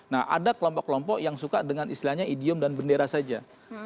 nah ada kelompok kelompok yang suka dengan istilahnya idiom dan bendera saja